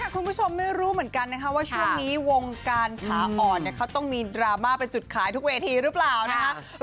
คุณผู้ชมไม่รู้เหมือนกันนะคะว่าช่วงนี้วงการขาอ่อนเขาต้องมีดราม่าเป็นจุดขายทุกเวทีหรือเปล่านะคะ